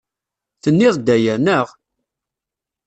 Tenniḍ-d aya, naɣ?